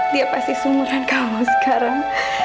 dia pasti seumuran kamu sekarang